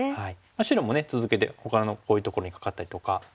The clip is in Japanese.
白もね続けてほかのこういうところにカカったりとか。